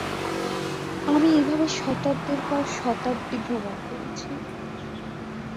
আমি এভাবে শতাব্দীর পর শতাব্দী ভ্রমণ করেছি।